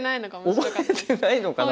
覚えてないのかな